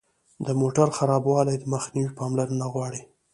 د موټر خرابوالي مخنیوی پاملرنه غواړي.